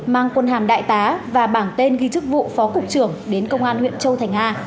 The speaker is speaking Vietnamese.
mang quân hàm đại tá và bảng tên ghi chức vụ phó cục trưởng đến công an huyện châu thành a